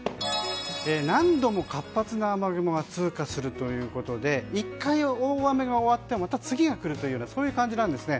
何度も活発な雨雲が通過するということで１回大雨が終わってもまた次が来るという感じなんですね。